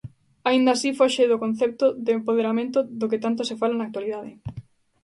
Aínda así foxe do concepto de empoderamento do que tanto se fala na actualidade.